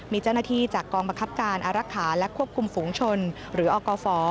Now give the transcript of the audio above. มีเจ้าหน้าที่จากกองบังคับการอารักษาและควบคุมฝูงชนหรืออกฟ